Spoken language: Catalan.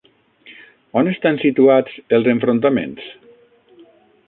On estan situats els enfrontaments?